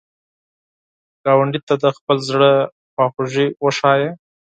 ګاونډي ته د خپل زړه خواخوږي وښایه